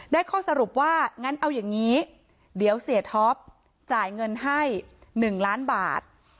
ข้อสรุปว่างั้นเอาอย่างนี้เดี๋ยวเสียท็อปจ่ายเงินให้๑ล้านบาท